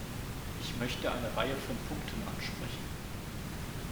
Ich möchte eine Reihe von Punkten ansprechen.